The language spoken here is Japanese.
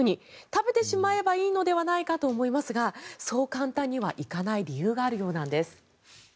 食べてしまえばいいのではないかと思いますがそう簡単にはいかない理由があるようなんです。